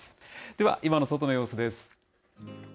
では今の外の様子です。